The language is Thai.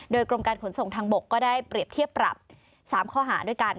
โดยกรมการขนส่งทางบกก็ได้เปรียบเทียบปรับ๓ข้อหาด้วยกัน